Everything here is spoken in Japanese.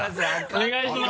お願いします。